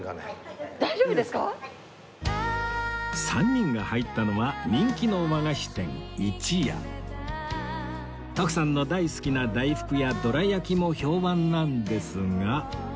３人が入ったのは人気の和菓子店徳さんの大好きな大福やどら焼きも評判なんですが